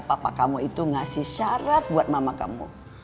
papa kamu itu ngasih syarat buat mama kamu